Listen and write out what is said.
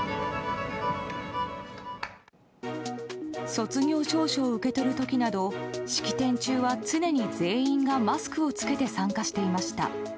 卒業証書を受け取る時など式典中は常に全員がマスクを着けて参加していました。